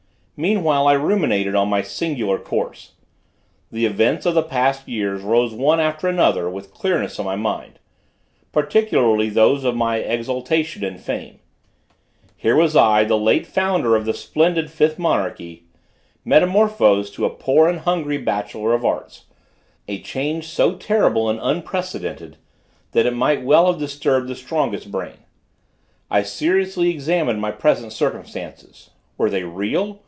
Meanwhile I ruminated on my singular course. The events of the past years rose one after another with clearness in my mind; particularly those of my exaltation and fame. Here was I, the late founder of the splendid fifth monarchy, metamorphosed to a poor and hungry bachelor of arts; a change so terrible and unprecedented, that it might well have disturbed the strongest brain. I seriously examined my present circumstances were they real?